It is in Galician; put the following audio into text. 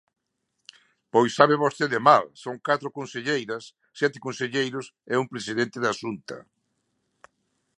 Pois sabe vostede mal: son catro conselleiras, sete conselleiros e un presidente da Xunta.